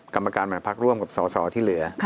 กรรมการบริหารพักษณ์ร่วมกับส่อที่เหลือ